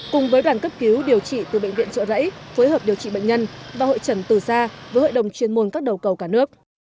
cùng với đoàn cấp cứu điều trị từ bệnh viện trợ rẫy phối hợp điều trị bệnh nhân và hội trần từ xa với hội đồng chuyên môn các đầu cầu cả nước